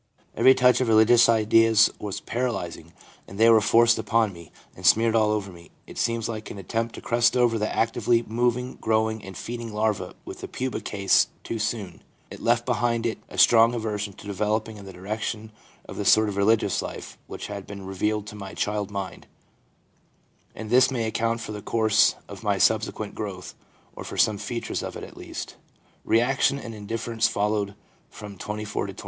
Every touch of religious ideas was paralysing, and as they were forced upon me and smeared all over me, it seems like an attempt to crust over the actively moving, growing and feeding larva with the pupa case too soon. It left behind it a strong aversion to developing in the direction of the sort of religious life which had been revealed to my child mind; and this may account for the course of my subsequent growth, or for some features of it at least/ (Reaction and indifference followed from 24 to 26.)